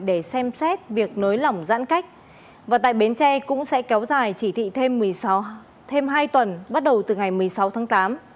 để xem xét việc nới lỏng giãn cách và tại bến tre cũng sẽ kéo dài chỉ thị thêm hai tuần bắt đầu từ ngày một mươi sáu tháng tám